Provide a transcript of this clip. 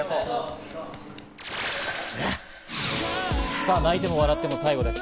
さぁ泣いても笑っても最後です。